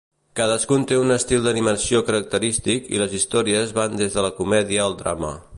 Cadascun té un estil d'animació característic i les històries van des de la comèdia al drama.